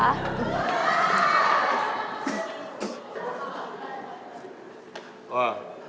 เออ